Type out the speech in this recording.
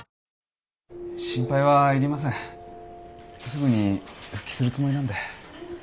すぐに復帰するつもりなんで。